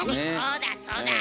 そうだそうだ。